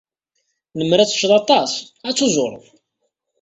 Lemmer ad tecceḍ aṭas, ad tuzureḍ.